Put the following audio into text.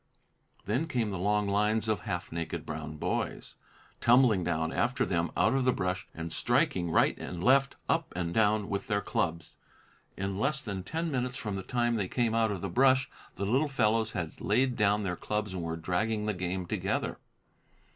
Then came the long lines of half naked brown boys tumbling down after them out of the brush, and striking right and left, up and down, with their clubs. In less than ten minutes from the time they came out of the brush, the little fellows had laid down their clubs and were dragging the game together.